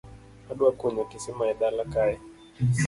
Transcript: Adwa kunyo kisima e dala na kae